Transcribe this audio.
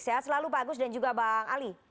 sehat selalu pak agus dan juga bang ali